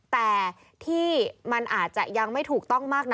แต่ที่มันอาจจะยังไม่ถูกต้องมากนัก